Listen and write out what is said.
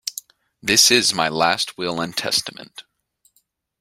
This is my last will and testament.